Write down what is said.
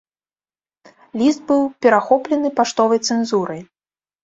Ліст быў перахоплены паштовай цэнзурай.